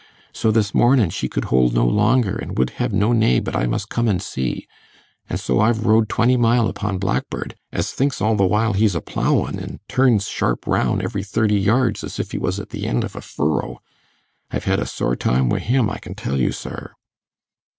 So this mornin' she could hold no longer, an' would hev no nay but I must come an' see; an' so I've rode twenty mile upo' Blackbird, as thinks all the while he's a ploughin', an' turns sharp roun', every thirty yards, as if he was at the end of a furrow. I've hed a sore time wi' him, I can tell you, sir.